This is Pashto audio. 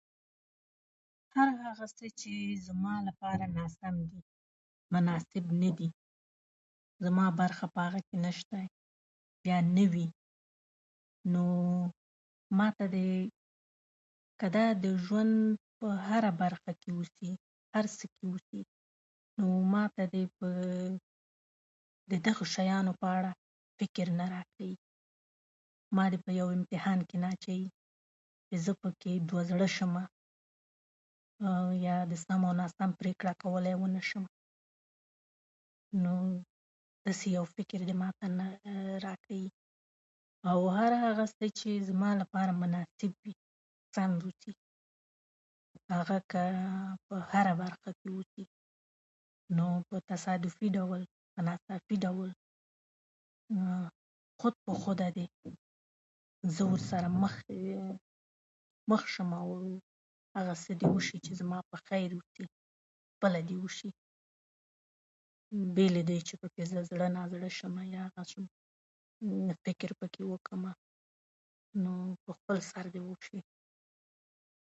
هر هغه څه چې زما لپاره ناسم دي، مناسب نه دي، زما برخه په هغه نشته یا نه وي، نو ماته دې که دا د ژوند په هره برخه کې اوسي، هر څه کې اوسي، ماته دې په دې دغو شیانو په اړه فکر نه راکوي. مادې په یو امتحان کې نه اچيي، چې زه دې پکې دوه زړه شمه، او یا د سم یا ناسم پرېکړه کولای ونه شمه. داسې یو فکر دې ماته نه راکيي. او هر هغه څه چې زما لپاره مناسب وي، سم اوسي، هغه که هره برخه کې اوسي، نو په تصادفي ډول، په ناڅاپی، خود په خوده دې زه ورسره مخ مخ شمه، او هغه څه دې وشي چې زما په خېر دې وي، خپله دې وشي، بیله دې چې زه دې زړه نازړه شمه، فکر پکې وکمه، نو په خپل سر دې وشی.